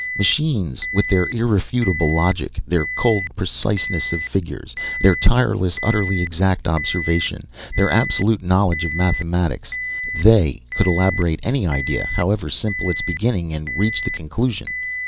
Machines with their irrefutable logic, their cold preciseness of figures, their tireless, utterly exact observation, their absolute knowledge of mathematics they could elaborate any idea, however simple its beginning, and reach the conclusion.